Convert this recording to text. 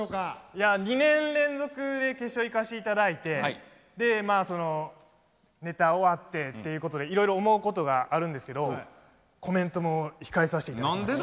いや２年連続で決勝行かせていただいてでネタ終わってっていうことでいろいろ思うことがあるんですけどコメントも控えさせていただきます。